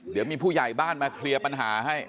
เดี๋ยวมีผู้ใหญ่บ้านมาเคลียร์ปัญหาให้